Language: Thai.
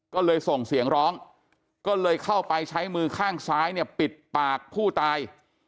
ก็เลยส่งเสียงร้องก็เลยเข้าไปใช้มือข้างซ้ายเนี่ยปิดปากผู้ตาย